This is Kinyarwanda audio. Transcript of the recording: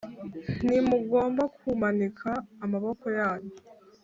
Ntimugomba kumanika amaboko yanyu